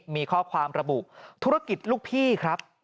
มีข้อความระบุธุรกิจลูกพี่ครับ